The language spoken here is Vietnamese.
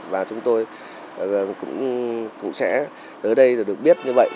và chúng tôi cũng sẽ tới đây được biết như vậy